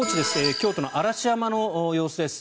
京都の嵐山の様子です。